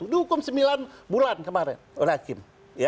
dihukum sembilan bulan kemarin oleh hakim